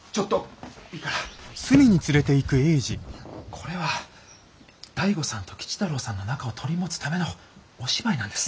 これは醍醐さんと吉太郎さんの仲を取り持つためのお芝居なんです。